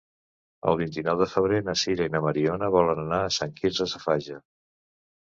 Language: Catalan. El vint-i-nou de febrer na Sira i na Mariona volen anar a Sant Quirze Safaja.